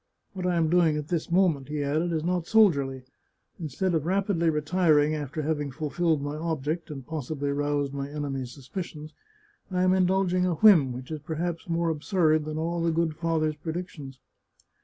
What I am doing at this moment," he added, " is not soldierly. Instead of rapidly retiring after having fulfilled my object, and possibly roused my enemy's suspicions, I am indulging a whim which is perhaps more absurd than all the good father's predictions."